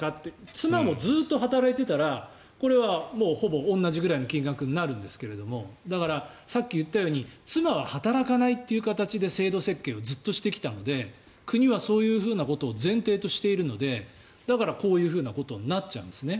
妻もずっと働いていたらこれはほぼ同じぐらいの金額になるんですけどもだから、さっき言ったように妻は働かないという形で制度設計をずっとしてきたので国はそういうことを前提としているのでだから、こういうことになっちゃうんですね。